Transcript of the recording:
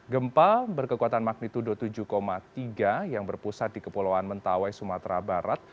gempa berkekuatan magnitudo tujuh tiga yang berpusat di kepulauan mentawai sumatera barat